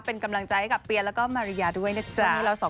เป็นกำลังใจให้กับเปียแล้วก็มาริยาด้วยนะจ๊ะ